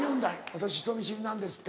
「私人見知りなんです」って。